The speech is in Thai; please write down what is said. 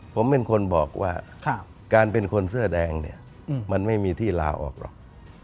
ผมเป็นคนบอกว่าการเป็นคนเสื้อแดงเนี่ยมันไม่มีที่ลาออกหรอก